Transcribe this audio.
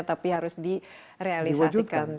tapi harus diwujudkan